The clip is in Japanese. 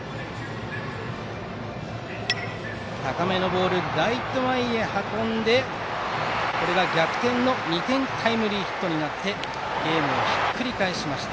高めのボールをライト前へ運んでこれが逆転の２点タイムリーヒットになりゲームをひっくり返しました。